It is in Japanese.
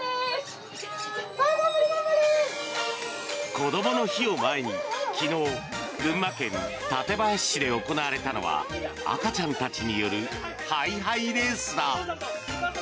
こどもの日を前に昨日群馬県館林市で行われたのは赤ちゃんたちによるハイハイレースだ。